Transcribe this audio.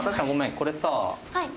これさ。